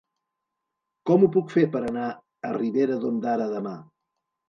Com ho puc fer per anar a Ribera d'Ondara demà?